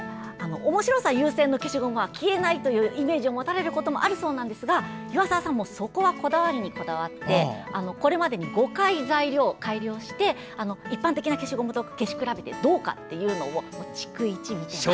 おもしろさ優先の消しゴムは消えないというイメージを持たれることもあるそうですが岩沢さんは、そこはこだわりにこだわってこれまでに５回材料を改良して一般的な消しゴムと消し比べてどうかを逐一、見ています。